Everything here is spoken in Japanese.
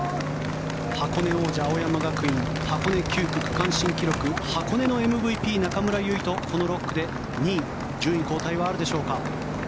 箱根王者、青山学院箱根９区区間新記録箱根のＭＶＰ、中村唯翔この６区で２位順位交代はあるでしょうか。